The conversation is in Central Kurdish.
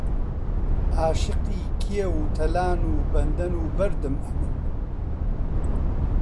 ئاشقی کێو و تەلان و بەندەن و بەردم ئەمن